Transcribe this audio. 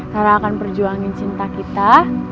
karena akan perjuangin cinta kita